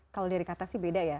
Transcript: kalau dari kata sih beda ya